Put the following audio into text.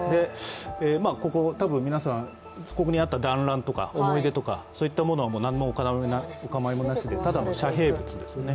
ここにあった団らんとか思い出とかはそういったものは何のお構いなしでただの遮蔽物ですよね。